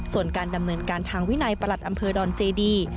ส่วนการดำเนินการทางวินัยประหลัดอำเภอดอนเจดี